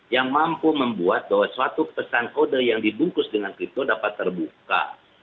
yang mampu membuat bahwa suatu pesan kode yang dibungkus dengan kripto dapat terbuka